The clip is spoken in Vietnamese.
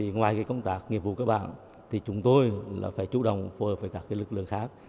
ngoài công tác nghiệp vụ các bạn chúng tôi phải chủ động phù hợp với các lực lượng khác